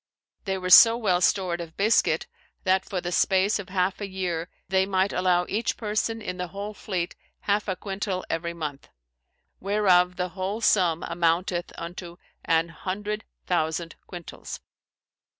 They were so well stored of biscuit, that for the space of halfe a yeere, they might allow eche person in the whole fleete halfe a quintall every month; whereof the whole summe amounteth unto an hundreth thousand quintals.